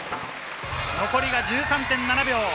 残りが１３．７秒。